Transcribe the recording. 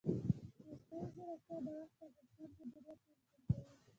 مصنوعي ځیرکتیا د وخت اغېزمن مدیریت ممکن کوي.